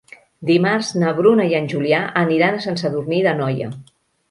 Dimarts na Bruna i en Julià aniran a Sant Sadurní d'Anoia.